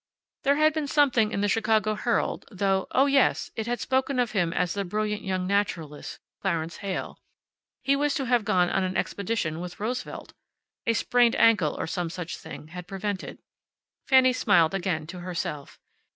There had been something in the Chicago Herald, though oh, yes; it had spoken of him as the brilliant young naturalist, Clarence Heyl. He was to have gone on an expedition with Roosevelt. A sprained ankle, or some such thing, had prevented. Fanny smiled again, to herself.